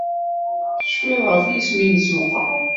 Tecfid ɣef yisem-nnes meqqar?